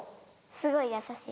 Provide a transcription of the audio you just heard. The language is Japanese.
すごい優しい。